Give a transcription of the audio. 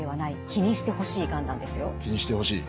気にしてほしい。